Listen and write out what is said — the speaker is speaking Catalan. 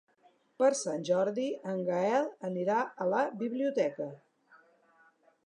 Per Sant Jordi en Gaël anirà a la biblioteca.